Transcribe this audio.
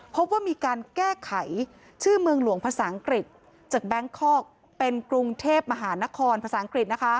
พบว่ามีการแก้ไขชื่อเมืองหลวงภาษาอังกฤษจากแบงคอกเป็นกรุงเทพมหานครภาษาอังกฤษ